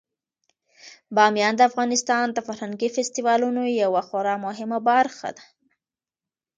بامیان د افغانستان د فرهنګي فستیوالونو یوه خورا مهمه برخه ده.